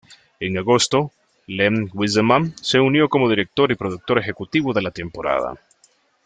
En agosto, Len Wiseman se unió como director y productor ejecutivo de la temporada.